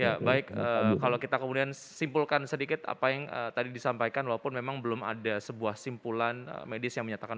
ya baik kalau kita kemudian simpulkan sedikit apa yang tadi disampaikan walaupun memang belum ada sebuah simpulan medis yang menyatakan